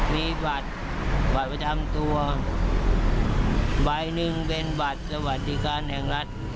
มีบัตรบัตรประจำตัวใบหนึ่งเป็นบัตรสวัสดิการแห่งรัฐ